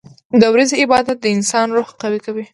• د ورځې عبادت د انسان روح قوي کوي.